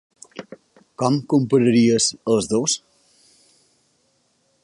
Com compararies els dos?